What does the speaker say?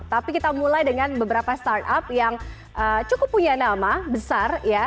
tapi kita mulai dengan beberapa startup yang cukup punya nama besar ya